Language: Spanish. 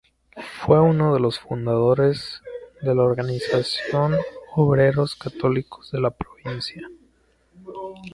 Fue uno de los fundadores de la organización Obreros Católicos de la provincia.